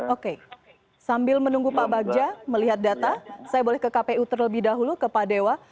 oke sambil menunggu pak bagja melihat data saya boleh ke kpu terlebih dahulu ke pak dewa